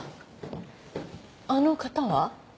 あの方は？